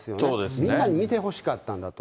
みんなに見てほしかったんだと。